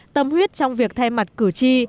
tâm huyết trong việc thay mặt cử tri